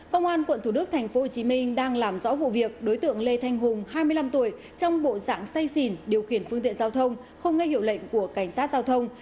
công an quận thủ đức tp hcm đang làm rõ vụ việc đối tượng lê thanh hùng hai mươi năm tuổi trong bộ dạng say xỉn điều khiển phương tiện giao thông không nghe hiệu lệnh của cảnh sát giao thông